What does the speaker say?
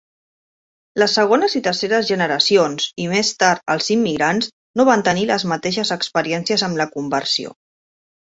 Les segones i terceres generacions, i més tard els immigrants, no van tenir les mateixes experiències amb la conversió.